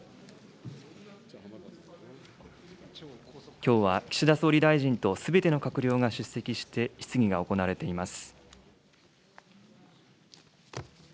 きょうは岸田総理大臣とすべての閣僚が出席して質疑が行われています。